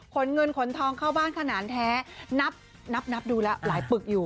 ขนเงินขนทองเข้าบ้านขนาดแท้นับนับดูแล้วหลายปึกอยู่